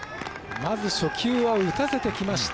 まず初球は打たせてきました